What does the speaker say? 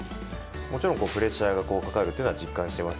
もちろん、プレッシャーがかかるというのは実感してます。